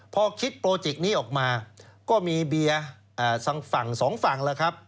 พอคิดโปรเจกต์นี้ออกมาก็มีเบียร์ทางฝั่งสองฝั่งแล้วครับ